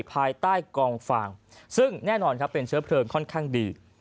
ภายใต้กองฟางซึ่งแน่นอนครับเป็นเชื้อเพลิงค่อนข้างดี